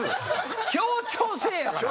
協調性やから。